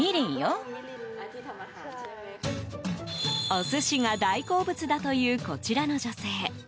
お寿司が大好物だというこちらの女性。